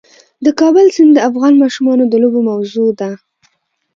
د کابل سیند د افغان ماشومانو د لوبو موضوع ده.